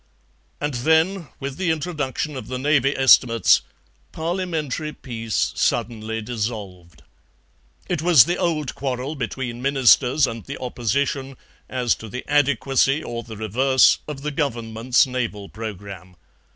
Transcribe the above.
And then, with the introduction of the Navy Estimates, Parliamentary peace suddenly dissolved. It was the old quarrel between Ministers and the Opposition as to the adequacy or the reverse of the Government's naval programme.